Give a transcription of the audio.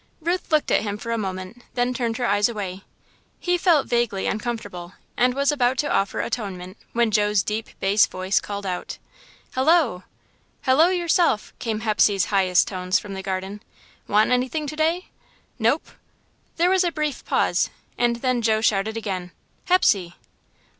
Ruth looked at him for a moment, then turned her eyes away. He felt vaguely uncomfortable, and was about to offer atonement when Joe's deep bass voice called out: "Hello!" "Hello yourself!" came in Hepsey's highest tones, from the garden. "Want anything to day?" "Nope!" There was a brief pause, and then Joe shouted again: "Hepsey!"